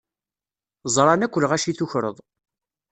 Zṛan-k lɣaci tukreḍ.